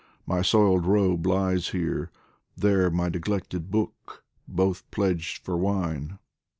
my soiled robe lies here, There my neglected book, both pledged for wine.